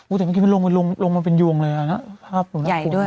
แต่เมื่อกี้มันลงมาเป็นยวงเลยนะภาพผมใหญ่ด้วย